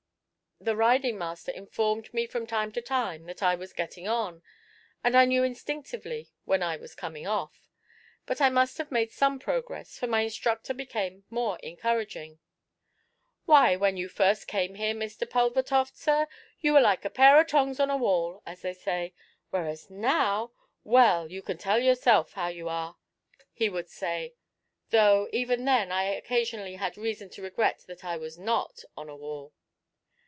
The riding master informed me from time to time that I was getting on, and I knew instinctively when I was coming off; but I must have made some progress, for my instructor became more encouraging. 'Why, when you come here first, Mr. Pulvertoft, sir, you were like a pair o' tongs on a wall, as they say; whereas now well, you can tell yourself how you are,' he would say; though, even then, I occasionally had reason to regret that I was not on a wall.